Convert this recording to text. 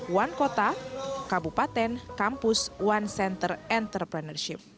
one kota kabupaten kampus one center entrepreneurship